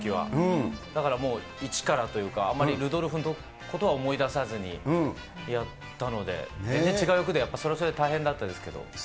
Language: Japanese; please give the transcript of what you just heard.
だから一からというか、あんまりルドルフのことは思い出さずにやったので、それはそれで大変だったんですけど。